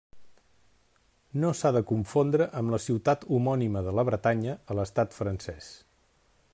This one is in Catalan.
No s'ha de confondre amb la ciutat homònima de la Bretanya, a l'estat francès.